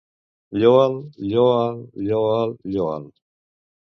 Lloa'l, lloa'l, lloa'l, lloa'l!